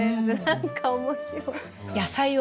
何か面白い！